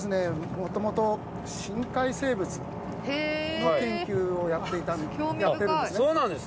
もともと深海生物の研究をやってるんですね。